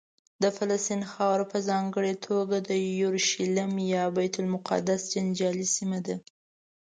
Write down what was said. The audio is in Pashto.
د فلسطین خاوره په ځانګړې توګه یورشلیم یا بیت المقدس جنجالي سیمه ده.